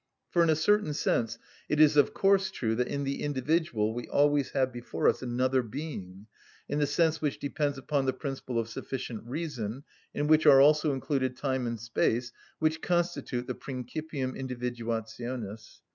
For in a certain sense it is of course true that in the individual we always have before us another being—in the sense which depends upon the principle of sufficient reason, in which are also included time and space, which constitute the principium individuationis.